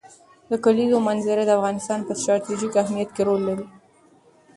د کلیزو منظره د افغانستان په ستراتیژیک اهمیت کې رول لري.